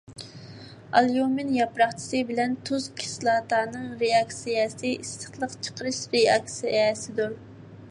ئاليۇمىن ياپراقچىسى بىلەن تۇز كىسلاتانىڭ رېئاكسىيەسى ئىسسىقلىق چىقىرىش رېئاكسىيەسىدۇر.